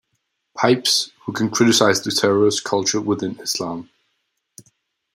Pipes, who can criticize the terrorist culture within Islam.